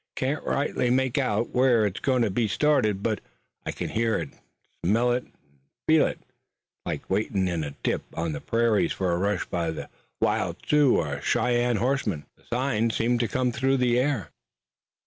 I can't rightly make out where it's going to be started, but I can hear it, smell it an' feel it. It's like waitin' in a dip on the prairies for a rush by the wild Sioux or Cheyenne horsemen. The signs seem to come through the air."